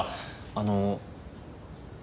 あの。